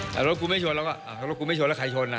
แต่รถกูไม่โชนเราก็อ่ารถกูไม่โชนแล้วใครโชนล่ะ